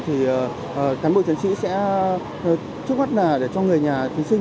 thì cán bộ chiến sĩ sẽ trước mắt là để cho người nhà thí sinh